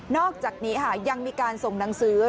อกจากนี้ยังมีการส่งหนังสือ